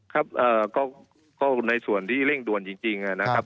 ครับก็ในส่วนที่เร่งด่วนจริงนะครับ